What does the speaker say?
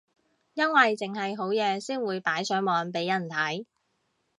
因為剩係好嘢先會擺上網俾人睇